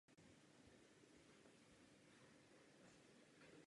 Počtem i délkou výstupů je první na světě.